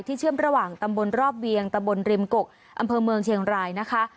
เชื่อมระหว่างตำบลรอบเวียงตำบลริมกกอำเภอเมืองเชียงรายนะคะ